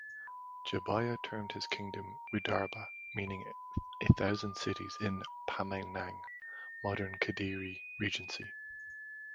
Jabaya termed his kingdom "Widarba", meaning a thousand cities in "Pamenang", modern Kediri Regency.